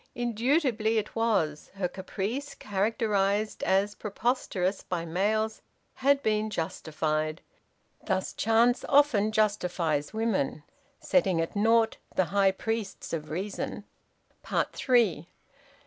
Indubitably it was. Her caprice, characterised as preposterous by males, had been justified. Thus chance often justifies women, setting at naught the high priests of reason. THREE.